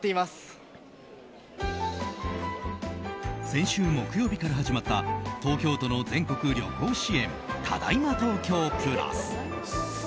先週木曜日から始まった東京都の全国旅行支援ただいま東京プラス。